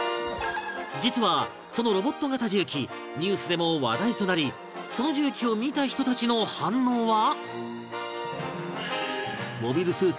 実はそのロボット型重機ニュースでも話題となりその重機を見た人たちの反応は